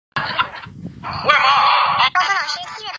斯托夫奈是位于挪威首都奥斯陆的一个地区。